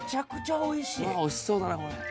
美味しそうだなこれ。